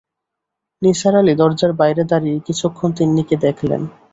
নিসার আলি দরজার বাইরে দাঁড়িয়ে কিছুক্ষণ তিন্নিকে দেখলেন।